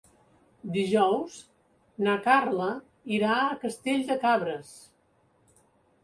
Dijous na Carla irà a Castell de Cabres.